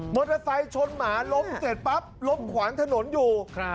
เตอร์ไซค์ชนหมาล้มเสร็จปั๊บล้มขวางถนนอยู่